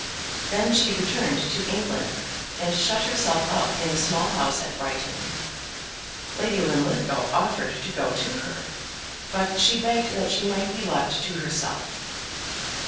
Then she returned to England and shut herself up in a small house at Brighton. Lady Linlithgow offered to go to her, but she begged that she might be left to herself.